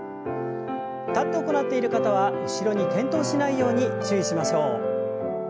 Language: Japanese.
立って行っている方は後ろに転倒しないように注意しましょう。